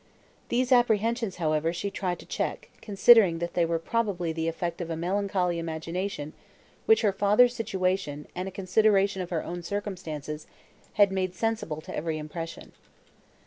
These apprehensions, however, she tried to check, considering that they were probably the effect of a melancholy imagination, which her father's situation, and a consideration of her own circumstances, had made sensible to every impression.